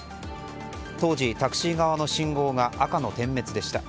当時、タクシー側の信号が赤の点滅でした。